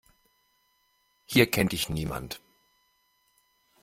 Hier kennt dich niemand.